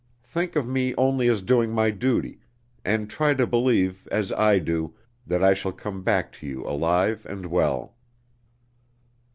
Think of me only as doing my duty, and try to believe (as I do) that I shall come back to you alive and well."